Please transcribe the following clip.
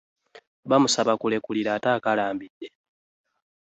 Bamusaba kulekulira ate akalambidde.